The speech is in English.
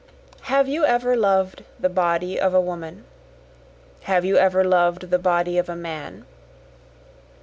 Have you ever loved the body of a woman? Have you ever loved the body of a man?